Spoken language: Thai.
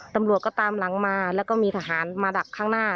ตำรวจก็ตามหลังมาแล้วก็มีทหารมาดักข้างหน้า